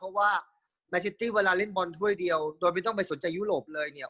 เพราะว่าแมนซิตี้เวลาเล่นบอลถ้วยเดียวโดยไม่ต้องไปสนใจยุโรปเลยเนี่ย